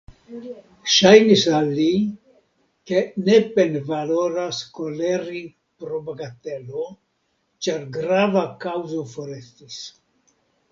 Ŝajnis al li, ke ne penvaloras koleri pro bagatelo, ĉar grava kaŭzo forestis.